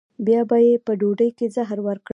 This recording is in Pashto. بیا به یې په ډوډۍ کې زهر ورکړل.